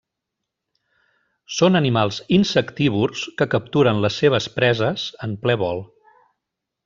Són animals insectívors que capturen les seves preses en ple vol.